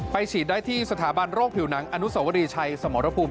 ฉีดได้ที่สถาบันโรคผิวหนังอนุสวรีชัยสมรภูมิ